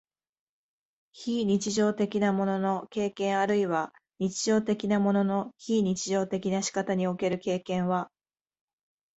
非日常的なものの経験あるいは日常的なものの非日常的な仕方における経験は、